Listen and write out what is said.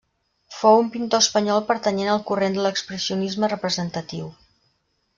Fou un pintor espanyol pertanyent al corrent de l'expressionisme representatiu.